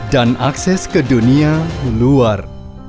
dan akses ke dunia luar